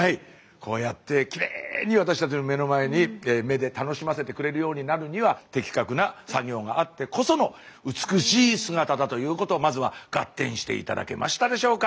こうやってきれいに私たちの目の前に目で楽しませてくれるようになるには的確な作業があってこその美しい姿だということまずはガッテンして頂けましたでしょうか？